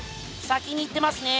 先に行ってますね。